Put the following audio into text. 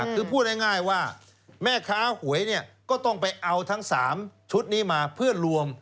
คือพูดง่ายว่าแม่ค้าหวยเนี่ยก็ต้องไปเอาทั้ง๓ชุดนี้มาเพื่อรวม